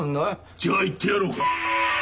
じゃあ言ってやろうか！